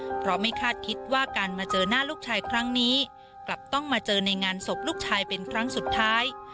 เพราะไม่คาดคิดว่าการมาเจอหน้าลูกชายครั้งนี้กลับต้องมาเจอในงานศพลูกชายเป็นครั้งสุดท้าย